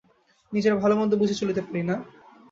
নিজের ভালোমন্দ বুঝে চলিতে পারি না?